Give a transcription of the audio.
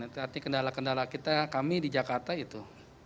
itu artinya kendala kendala kita kami di jakarta itu